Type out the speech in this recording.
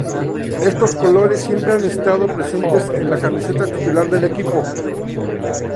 Estos colores siempre han estado presentes en la camiseta titular del equipo.